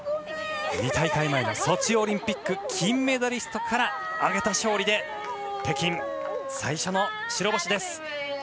２大会前のソチオリンピック金メダリストから挙げた勝利で北京最初の白星です。